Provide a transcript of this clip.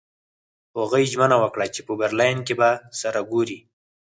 هغوی ژمنه وکړه چې په برلین کې به سره ګوري